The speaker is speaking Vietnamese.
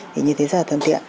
thì như thế rất là thân thiện